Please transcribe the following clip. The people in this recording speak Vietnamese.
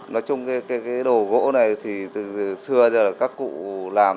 nói chung cái đồ gỗ này thì từ xưa giờ là các cụ làm